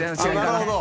なるほど！